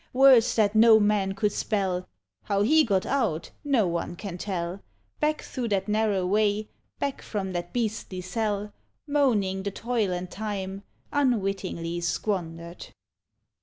Words that no man could spell. How he got out no one can tell ; Back through that narrow way, Back from that beastly sell, Moaning the toil and time. Unwittingly squandered.